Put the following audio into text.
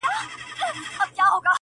o اوس له كندهاره روانـېـــږمه.